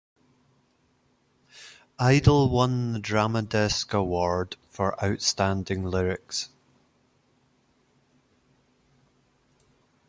Idle won the Drama Desk Award for Outstanding Lyrics.